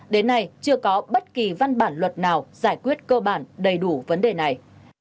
đến nay chưa có bất kỳ văn bản luật nào giải quyết cơ bản đầy đủ vấn đề này